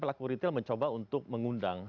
pelaku retail mencoba untuk mengundang